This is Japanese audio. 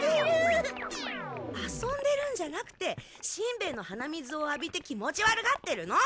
遊んでるんじゃなくてしんべヱの鼻水をあびて気持ち悪がってるの！